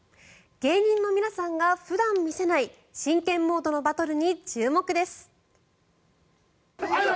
芸人の皆さんが普段見せない真剣モードのバトルに注目です。